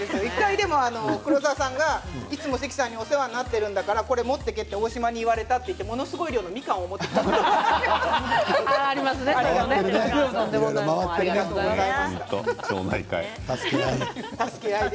黒沢さんがいつも関さんにお世話になっているんだからこれを持っていてと大島に言われたと言ってものすごい量のみかんを持ってきたことがありました。